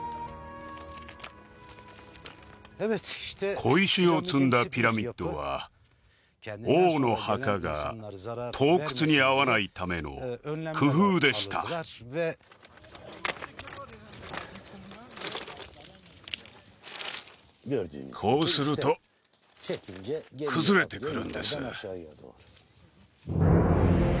小石を積んだピラミッドは王の墓が盗掘にあわないための工夫でしたこうすると崩れてくるんです